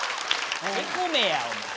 へこめやお前。